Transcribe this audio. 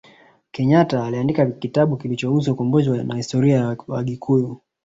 kenyata aliandika kitabu kilichohusu ukombozi na historia ya wagikuyu